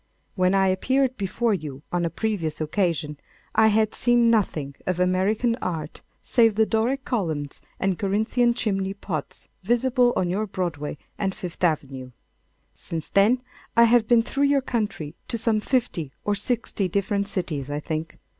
When I appeared before you on a previous occasion, I had seen nothing of American art save the Doric columns and Corinthian chimney pots visible on your Broadway and Fifth Avenue. Since then, I have been through your country to some fifty or sixty different cities, I think.